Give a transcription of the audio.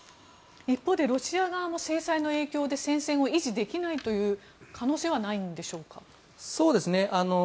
一方で、ロシア側も制裁の影響で戦線を維持できないという可能性はないんでしょうか。